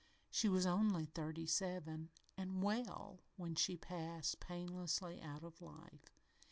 She was only thirty seven and "well" when she passed painlessly out of life.